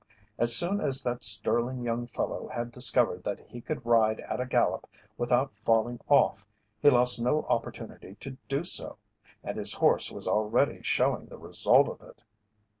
As soon as that sterling young fellow had discovered that he could ride at a gallop without falling off he lost no opportunity to do so, and his horse was already showing the result of it.